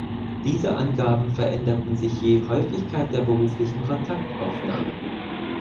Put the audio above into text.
Diese Angaben veränderten sich je Häufigkeit der beruflichen Kontaktaufnahme.